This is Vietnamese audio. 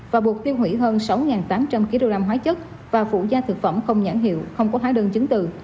và buộc tiêu hủy hơn sáu tám trăm linh kg hóa chất và phụ gia thực phẩm không nhãn hiệu không có hóa đơn chứng từ